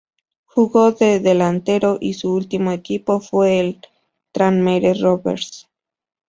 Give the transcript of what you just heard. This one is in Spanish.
Jugó de delantero y su último equipo fue el Tranmere Rovers.